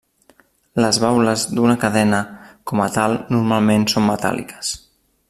Les baules d'una cadena com a tal normalment són metàl·liques.